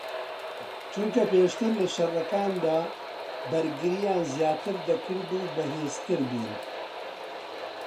چونکە پێشتر لە شەڕەکاندا بەرگریان زیاتر دەکرد و بەهێزتر بوون